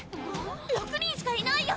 ６人しかいないよ！